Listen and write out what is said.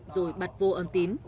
rồi bật vô âm tín